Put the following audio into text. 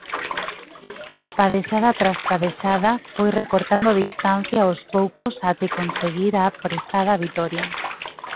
Padexada tras padexada foi recortando distancia aos poucos até conseguir a prezada vitoria.